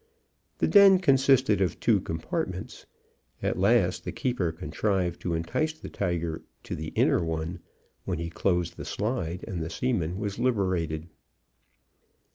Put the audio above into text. The den consisted of two compartments. At last the keeper contrived to entice the tiger to the inner one, when he closed the slide, and the seaman was liberated.